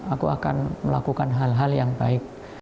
aku akan melakukan hal hal yang baik